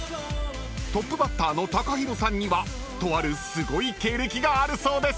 トップバッターのＴＡＫＡＨＩＲＯさんにはとあるすごい経歴があるそうです］